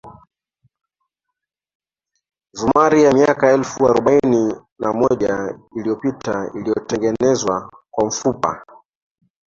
Zumari ya miaka elfu arobaini na moja iliyopita iliyotengenezwa kwa mfupa